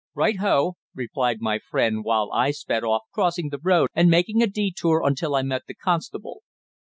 "Right ho," replied my friend, while I sped off, crossing the road and making a detour until I met the constable.